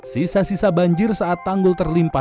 sisa sisa banjir saat tanggul terlimpah